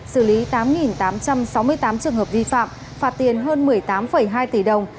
xử lý tám tám trăm sáu mươi tám trường hợp vi phạm phạt tiền hơn một mươi tám hai tỷ đồng